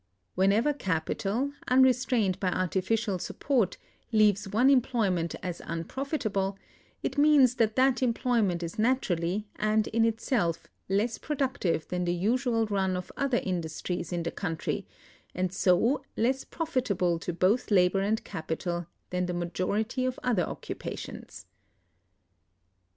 Whenever capital, unrestrained by artificial support, leaves one employment as unprofitable, it means that that employment is naturally, and in itself, less productive than the usual run of other industries in the country, and so less profitable to both labor and capital than the majority of other occupations.